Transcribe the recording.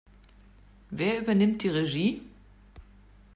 Wer übernimmt die Regie?